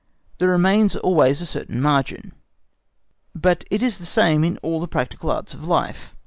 There remains always a certain margin. But it is the same in all the practical arts of life.